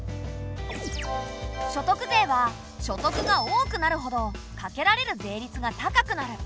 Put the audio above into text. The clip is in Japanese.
所得税は所得が多くなるほどかけられる税率が高くなる。